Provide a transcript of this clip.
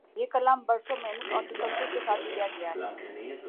یہ کام برسوں محنت اور تسلسل کے ساتھ کیا گیا ہے۔